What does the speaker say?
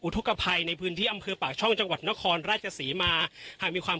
ทกภัยในพื้นที่อำเภอปากช่องจังหวัดนครราชศรีมาหากมีความ